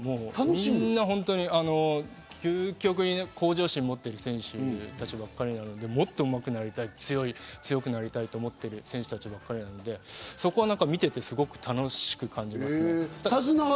みんな究極に向上心を持ってる選手たちばっかりなので、もっともっと強くなりたいと思っている選手たちばかりなので、そこは見ていて、すごく楽しく感じます。